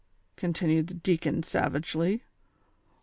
continued the deacon, savagely.